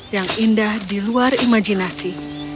yang indah di luar imajinasi